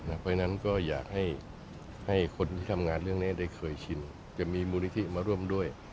เพราะฉะนั้นก็อยากให้คนที่ทำงานเรื่องนี้ได้เคยชินจะมีมูลนิธิมาร่วมด้วย